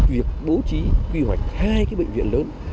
việc bố trí quy hoạch hai cái bệnh viện lớn